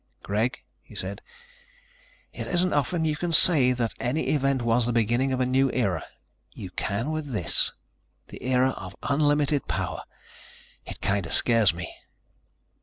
"Greg," he said, "it isn't often you can say that any event was the beginning of a new era. You can with this the era of unlimited power. It kind of scares me."